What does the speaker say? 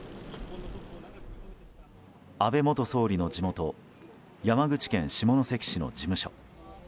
安倍元総理の地元山口県下関市の事務所。